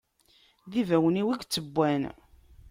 D ibawen-iw, i ittewwan!